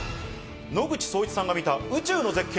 野口聡一さんが見た宇宙の絶景